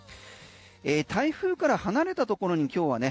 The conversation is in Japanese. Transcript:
台風から離れたところに今日はね